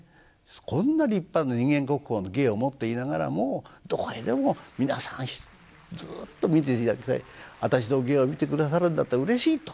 こんな立派な人間国宝の芸を持っていながらもどこへでも皆さんずっと見ていただいて私の芸を見てくださるんだったらうれしいと。